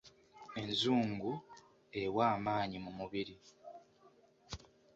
Enzungu ewa amaanyi mu mubiri .